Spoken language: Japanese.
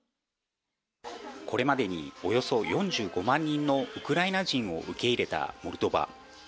これまでにおよそ４５万人のウクライナ人を受け入れたモルドバ。